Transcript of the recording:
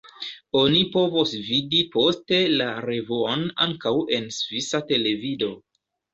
Oni povos vidi poste la revuon ankaŭ en svisa televido.